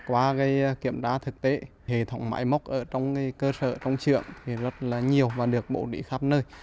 qua kiểm tra thực tế hệ thống máy móc ở trong cơ sở trong xưởng thì rất là nhiều và được bổ đi khắp nơi